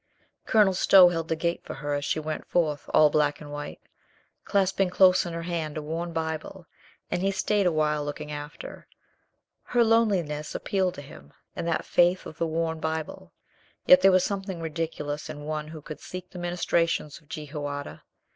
Colonel Stow held the gate for her as she went forth, all black and white, clasping close in her hand a worn Bible, and he stayed a while looking after. Her loneliness appealed to him, and that faith of the worn Bible, yet there was something ridiculous in one who could seek the ministrations of Jehoiada.